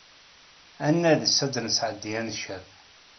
Ad nales ad d-nesɛeddi aneccaf.